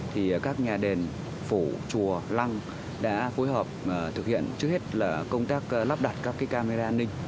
thì các nhà đền phủ chùa lăng đã phối hợp thực hiện trước hết là công tác lắp đặt các camera an ninh